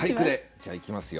じゃあいきますよ。